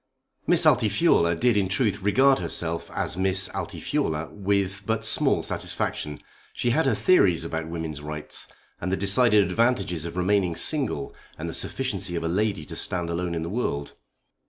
Miss Altifiorla did in truth regard herself as Miss Altifiorla with but small satisfaction. She had her theories about women's rights, and the decided advantages of remaining single, and the sufficiency of a lady to stand alone in the world.